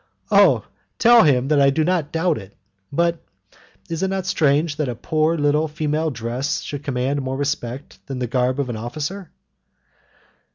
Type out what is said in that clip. "Oh! tell him that I do not doubt it. But is it not strange that a poor little female dress should command more respect than the garb of an officer?"